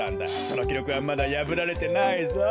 そのきろくはまだやぶられてないぞ。